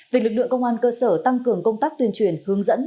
việc lực lượng công an cơ sở tăng cường công tác tuyên truyền hướng dẫn